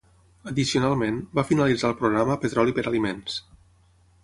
Addicionalment, va finalitzar el programa Petroli per Aliments.